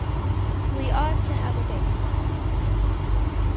We ought to have a baby.